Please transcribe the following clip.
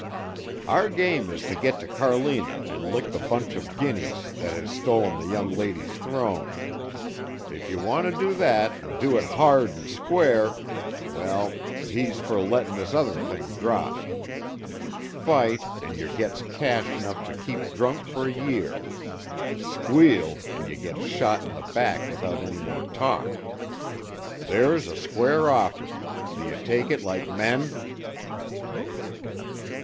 Our game is to git to Carlina and lick the bunch of Guinnies thet has stolen the young lady's throne. If ye wanter do thet an' do it hard and square well, he's fer lettin' this other thing drop. Fight an' yer gits cash 'nuff to keep drunk fer a year; squeal an' yer gits shot in the back without any more talk. There's a square offer do ye take it like men?"